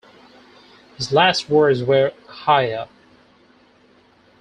His last words were, Higher.